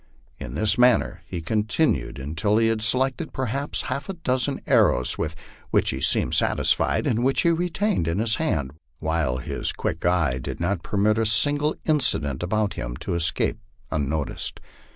In this manner he continued until he had selected perhaps half a dozen arrows, with which he seemed satisfied, and which he retained in his hand, while his quick eye did not permit a single incident about him to escape unnoticed.